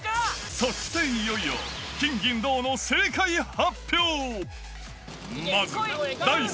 そしていよいよ金銀銅の正解発表。